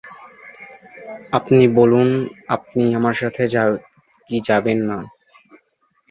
আপনি বলুন আপনি আমার সাথে যাবেন কি যাবেন না।